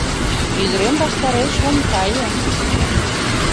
Ӱдырем ваштареш ом кае...